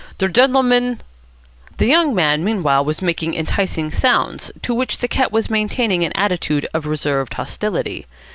Der gendleman " The young man meanwhile was making enticing sounds, to which the cat was maintaining an attitude of reserved hostility.